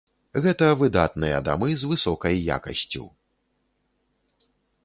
Гэта выдатныя дамы з высокай якасцю.